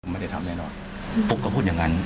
ไม่ได้ทำแน่นอนปุ๊กก็พูดอย่างนั้น